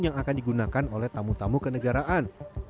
yang akan digunakan oleh tamu tamu kenegaraan